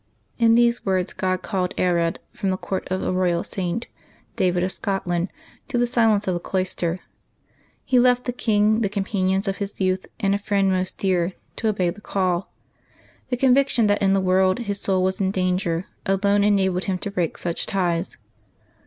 In these words God called V^ Aelred from the court of a royal Saint, David of Scotland, to the silence of the cloister. He left the king, the companions of his youth, and a friend most dear, to obey the caU. The conviction that in the world his soul was in danger alone enabled him to break such ties.